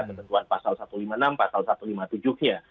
ketentuan pasal satu ratus lima puluh enam pasal satu ratus lima puluh tujuh nya